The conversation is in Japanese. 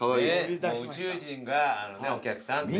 宇宙人がお客さん。